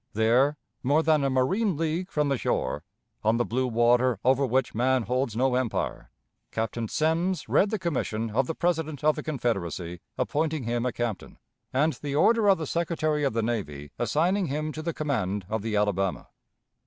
There, more than a marine league from the shore, on the blue water over which man holds no empire, Captain Semmes read the commission of the President of the Confederacy appointing him a captain, and the order of the Secretary of the Navy assigning him to the command of the Alabama.